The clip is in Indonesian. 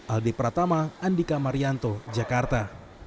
aldi pratama andika marianto jakarta